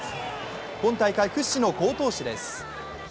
今大会屈指の好投手です。